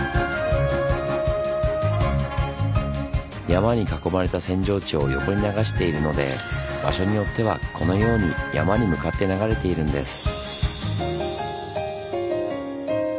山に囲まれた扇状地を横に流しているので場所によってはこのように山に向かって流れているんです。